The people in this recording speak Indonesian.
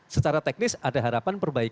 secara teknis ada harapan perbaikan